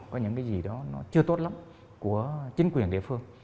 có những gì đó chưa tốt lắm của chính quyền địa phương